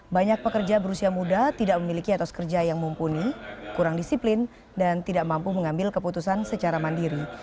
banyak pekerja berusia muda tidak memiliki etos kerja yang mumpuni kurang disiplin dan tidak mampu mengambil keputusan secara mandiri